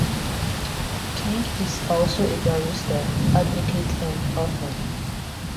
King is also a barrister, advocate and author.